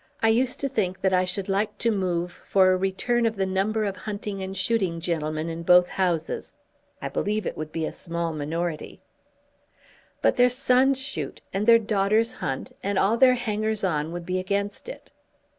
I used to think that I should like to move for a return of the number of hunting and shooting gentlemen in both Houses. I believe it would be a small minority." "But their sons shoot, and their daughters hunt, and all their hangers on would be against it."